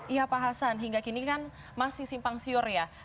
iya pak hasan hingga kini kan masih simpang siur ya